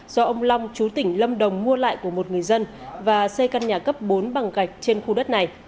do ông long chú tỉnh lâm đồng mua lại của một người dân và xây căn nhà cấp bốn bằng gạch trên khu đất này